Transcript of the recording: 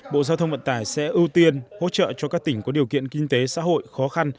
bộ giao thông vận tải sẽ ưu tiên hỗ trợ cho các tỉnh có điều kiện kinh tế xã hội khó khăn